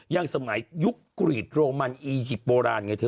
สมัยยุคกรีดโรมันอียิปต์โบราณไงเธอ